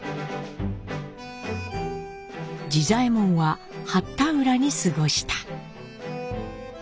「次左衛門は八田浦に過ごした」。